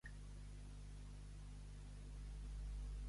Ni sense son mànec la dalla, ni el barber sense sa navalla.